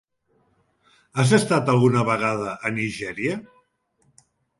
Has estat alguna vegada a Nigèria?